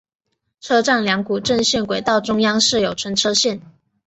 车站两股正线轨道中央设有存车线。